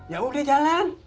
ya udah jalan